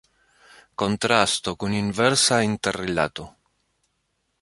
Kontrasto kun inversa interrilato.